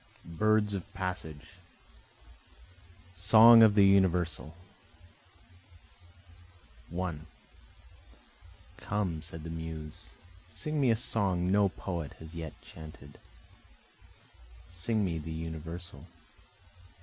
BIRDS OF PASSAGE Song of the Universal 1 Come said the Muse, Sing me a song no poet yet has chanted, Sing me the universal.